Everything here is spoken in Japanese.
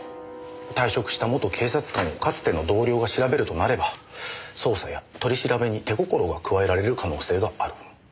退職した元警察官をかつての同僚が調べるとなれば捜査や取り調べに手心が加えられる可能性がある。